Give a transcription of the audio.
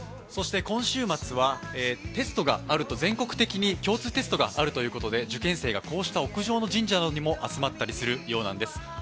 今週末は全国的に共通テストがあるということで受験生がこうした屋上の神社などにも集まったりするようなんです。